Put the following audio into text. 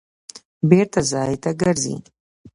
بېرته ځای ته ګرځي.